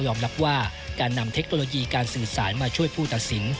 รับว่าการนำเทคโนโลยีการสื่อสารมาช่วยผู้ตัดสิน